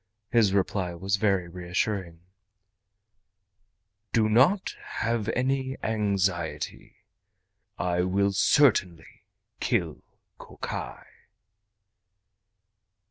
His reply was very reassuring: "Do not have any anxiety. I will certainly kill Kokai."